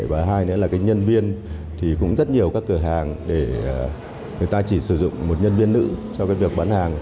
và hai nữa là cái nhân viên thì cũng rất nhiều các cửa hàng để người ta chỉ sử dụng một nhân viên nữ cho cái việc bán hàng